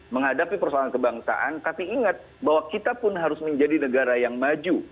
menghadapi persoalan kebangsaan tapi ingat bahwa kita pun harus menjadi negara yang maju